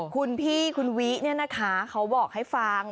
คุณพี่คุณวิเนี่ยนะคะเขาบอกให้ฟัง